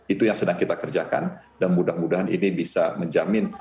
itu yang sedang kita kerjakan dan mudah mudahan ini bisa menjamin